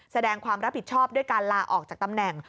แสดงความรับผิดชอบด้วยการลาออกจากตำแหน่ง